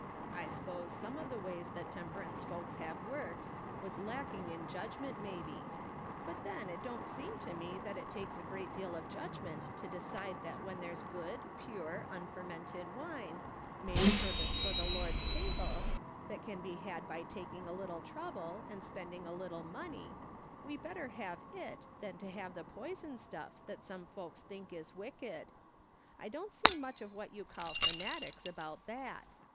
I s'pose some of the ways 278 MJ^S. SOLOMON SMITH LOOKING ON. that temperance folks have worked was lacking in judgment, maybe ; but then it don't seem to me that it takes a great deal of judgment to decide that when there's good, pure, unfermentcd wine, made a purpose for the Lord's table, that can be had by taking a little trouble, and spending a little money, we better have it than to have the poison stuff that some folks think is wicked. I don't see much of what you call fanatics about that.